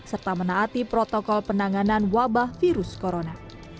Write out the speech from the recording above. serta menaati protokol penanganan wabah virus corona